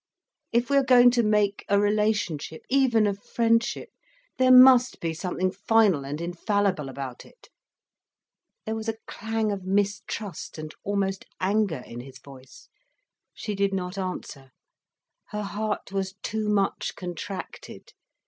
If we are going to make a relationship, even of friendship, there must be something final and infallible about it." There was a clang of mistrust and almost anger in his voice. She did not answer. Her heart was too much contracted.